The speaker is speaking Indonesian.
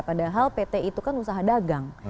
padahal pt itu kan usaha dagang